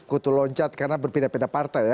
kutuloncat karena berpindah pindah partai